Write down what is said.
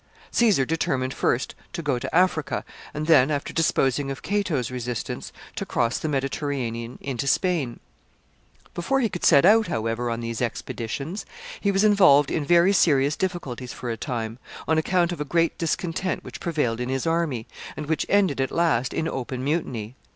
Caesar determined first to go to Africa, and then, after disposing of Cato's resistance, to cross the Mediterranean into Spain. [Sidenote: Complaints of the soldiers.] Before he could set out, however, on these expeditions, he was involved in very serious difficulties for a time, on account of a great discontent which prevailed in his army, and which ended at last in open mutiny.